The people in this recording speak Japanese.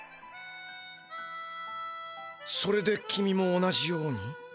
それで君も同じように？